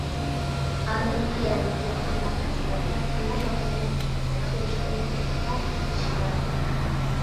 ئاندىن قەيەردىكى قانداق خىزمەتنىڭ قانداقلىقىنى سۈرۈشتۈرۈپ بېقىپراق تۇتۇش قىلىڭ.